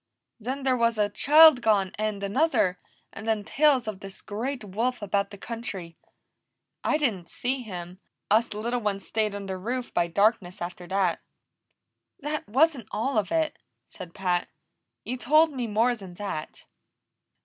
"Then there was a child gone, and another, and then tales of this great wolf about the country. I didn't see him; us little ones stayed under roof by darkness after that." "That wasn't all of it," said Pat. "You told me more than that."